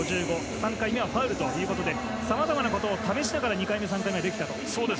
３回目はファウルということでさまざまなことを試しながら２回目、３回目できたと。